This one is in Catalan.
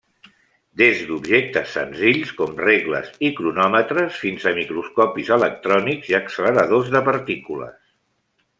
Des d'objectes senzills com regles i cronòmetres fins a microscopis electrònics i acceleradors de partícules.